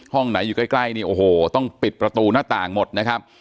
ห้องไหนอยู่ใกล้ต้องปิดประตูหน้าต่างหมดนะครับ